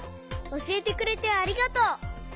おしえてくれてありがとう！